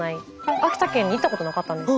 秋田県に行ったことなかったんですよ。